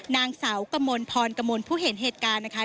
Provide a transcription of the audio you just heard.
นางสาวกมลพรกมลผู้เห็นเหตุการณ์นะคะ